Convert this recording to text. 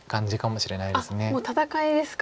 もう戦いですか。